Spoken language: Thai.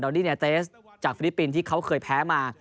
ดาวนี่เนียเตสจากฟิลิปปินที่เค้าเคยแพ้มา